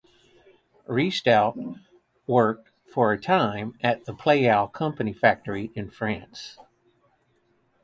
Restout worked for a time at the Pleyel Company factory in France.